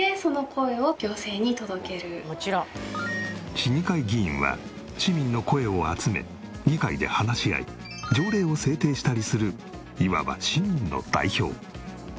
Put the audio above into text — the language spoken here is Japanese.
市議会議員は市民の声を集め議会で話し合い条例を制定したりするいわば市民の代表。